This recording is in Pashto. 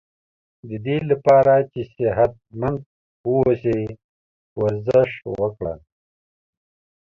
ددی لپاره چی صحت مند و اوسی ورزش وکړه